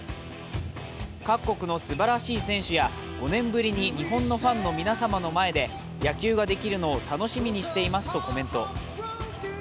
各国のすばらしい選手や５年ぶりに日本のファンの皆様で野球ができるのを楽しみにしていますとコメント。